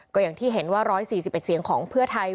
ก็อย่างที่เห็นว่า๑๔๑เสียงของเพื่อไทย